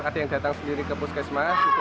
ada yang datang sendiri ke puskesmas